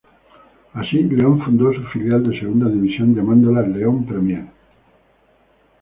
Así, León fundó su filial de Segunda División llamándola "León Premier".